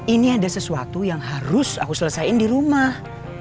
ini ada sesuatu yang harus aku selesaiin di rumah